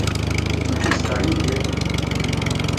Wukud yezdeɣ Yidir?